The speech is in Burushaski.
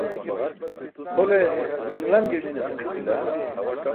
Kʰole jumlan girminase diś bila.